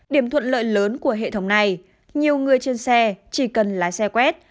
điểm thuận lợi lớn của hệ thống này nhiều người trên xe chỉ cần lái xe quét